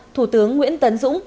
thủ tướng nguyễn tấn dũng